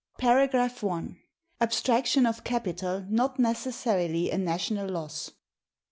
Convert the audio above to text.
§ 1. Abstraction of Capital not necessarily a national loss.